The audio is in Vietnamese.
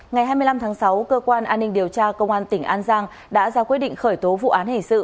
ngày hai mươi năm tháng sáu cơ quan an ninh điều tra công an tỉnh an giang đã ra quyết định khởi tố vụ án hình sự